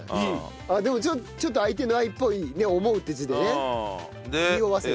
でもちょっと「相手」の「相」っぽい「想う」っていう字でねにおわせて。